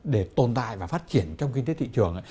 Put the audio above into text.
để tồn tại và phát triển trong kinh tế thị trường